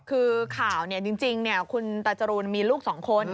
คือข่าวจริงคุณตาจรูนมีลูก๒คน